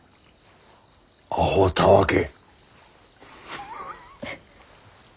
あほたわけ。